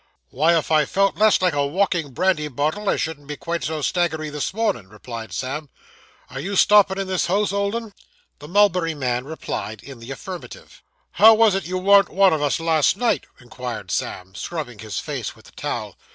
'Why, if I felt less like a walking brandy bottle I shouldn't be quite so staggery this mornin',' replied Sam. 'Are you stoppin' in this house, old 'un?' The mulberry man replied in the affirmative. 'How was it you worn't one of us, last night?' inquired Sam, scrubbing his face with the towel.